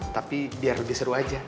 tapi biar lebih seru aja